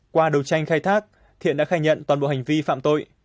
qua đầu tranh khai thác thiện đã khai nhận toàn bộ hành vi phạm tội